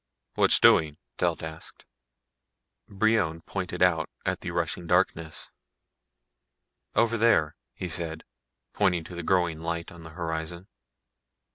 "What's doing?" Telt asked. Brion pointed out at the rushing darkness. "Over there," he said, pointing to the growing light on the horizon.